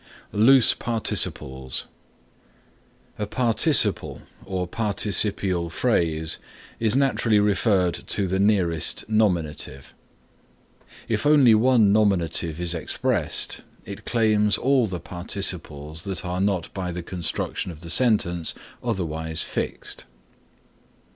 LOOSE PARTICIPLES A participle or participial phrase is naturally referred to the nearest nominative. If only one nominative is expressed it claims all the participles that are not by the construction of the sentence otherwise fixed.